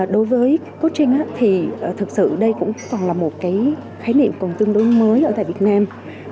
đối với coaching thì thực sự đây cũng còn là một khái niệm tương đối mới ở việt nam